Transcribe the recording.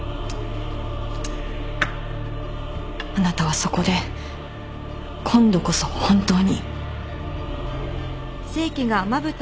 あなたはそこで今度こそ本当に。